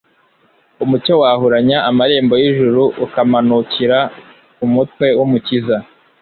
Umucyo wahuranya amarembo y'ijuru ukamanukira ku mutwe w'Umukiza